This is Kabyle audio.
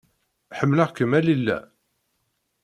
Ḥemmleɣ-kem a Lila.